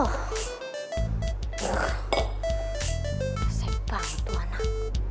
kesepak tuh anak